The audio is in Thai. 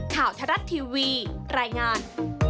ข่าวชะลัดทีวีรายงาน